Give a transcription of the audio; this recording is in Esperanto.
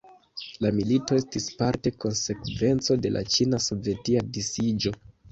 La milito estis parte konsekvenco de la Ĉina-sovetia disiĝo.